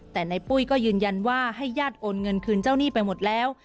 แต่ในปุ้ยก็ยืนยันว่าให้ญาติโอนเงินคืนเจ้าหนี้ไปหมดแล้ว